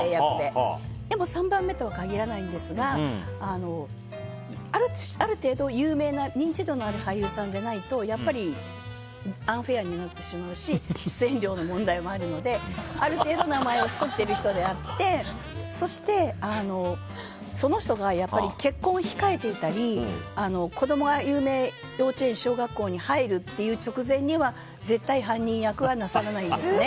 ただ、３番目とは限らないんですがある程度、有名な認知度のある俳優さんでないとやっぱりアンフェアになってしまうし出演料の問題もあるのである程度名前を知っている人であってそしてその人が結婚を控えていたり子供が有名幼稚園小学校に入るという直前には絶対、犯人役はなさらないんですね。